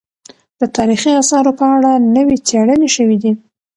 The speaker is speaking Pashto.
د تاريخي اثارو په اړه نوې څېړنې شوې دي.